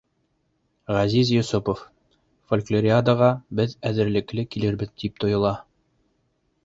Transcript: Ғәзиз Йосопов: Фольклориадаға беҙ әҙерлекле килербеҙ тип тойола.